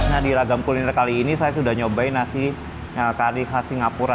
nah di ragam kuliner kali ini saya sudah nyobain nasi kari khas singapura